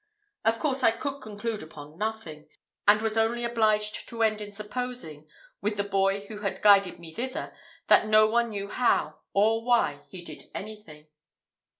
Of course, I could conclude upon nothing, and was only obliged to end in supposing, with the boy who had guided me thither, that no one knew how, or why, he did anything.